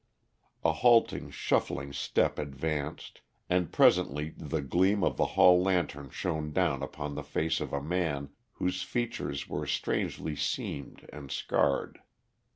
A halting, shuffling step advanced, and presently the gleam of the hall lantern shone down upon the face of a man whose features were strangely seamed and scarred.